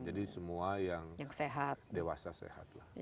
jadi semua yang dewasa sehat lah